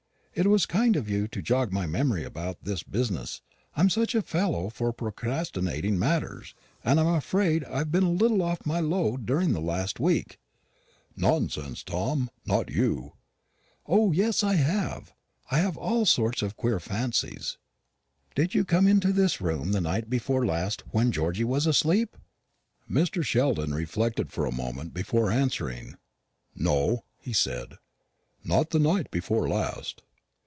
"It was kind of you to jog my memory about this business. I'm such a fellow for procrastinating matters. And I'm afraid I've been a little off my load during the last week." "Nonsense, Tom; not you." "O yes, I have. I've had all sorts of queer fancies. Did you come into this room the night before last, when Georgy was asleep?" Mr. Sheldon reflected for a moment before answering. "No," he said, "not the night before last."